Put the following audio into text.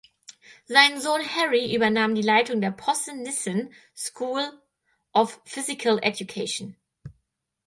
Sein Sohn Harry übernahm die Leitung der „Posse Nissen School of Physical Education“.